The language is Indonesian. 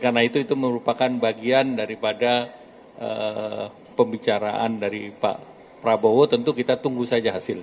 ketua umum partai golkar berkata